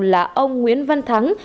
là ông nguyễn văn thắng